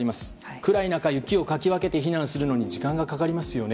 暗い中、雪をかき分けて避難するのに時間がかかりますね。